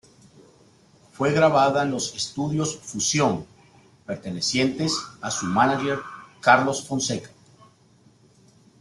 Fue grabada en los estudios Fusión, pertenecientes a su mánager Carlos Fonseca.